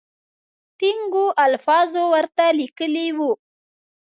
ټینګو الفاظو ورته لیکلي وو.